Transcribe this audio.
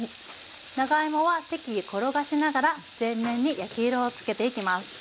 長芋は適宜転がしながら全面に焼き色をつけていきます。